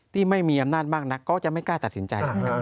ที่มีอำนาจมากนักก็จะไม่กล้าตัดสินใจ